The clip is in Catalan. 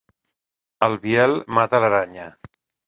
El Biel mata l'aranya.